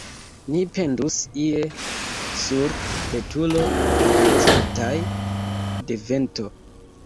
Ni pendus ie sur betulo, balancataj de vento.